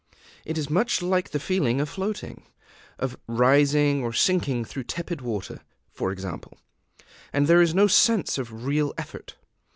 It is much like the feeling of floating, of rising or sinking through tepid water, for example; and there is no sense of real effort.